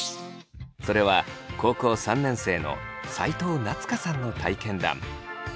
それは高校３年生の齋藤夏花さんの体験談。